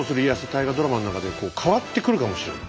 大河ドラマの中で変わってくるかもしれない。